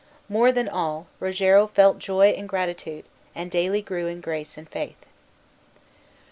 More than all Rogero felt joy and gratitude, and daily grew in grace and faith.